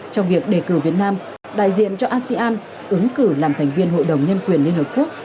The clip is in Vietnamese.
trong việc đề cử việt nam đại diện cho asean ứng cử làm thành viên hội đồng nhân quyền liên hợp quốc